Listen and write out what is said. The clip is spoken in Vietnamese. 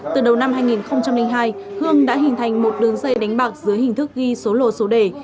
từ đầu năm hai nghìn hai hương đã hình thành một đường dây đánh bạc dưới hình thức ghi số lô số đề